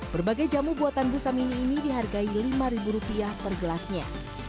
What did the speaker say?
berbagai jamu buatan busa mini ini dihargai lima rupiah per gelasnya